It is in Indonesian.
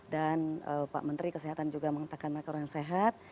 dan pak menteri kesehatan juga mengatakan mereka orang sehat